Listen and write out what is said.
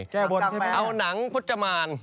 แก้บนใช่ไหมเอาหนังพจมาน